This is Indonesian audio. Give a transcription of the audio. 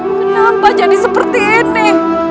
kenapa jadi seperti ini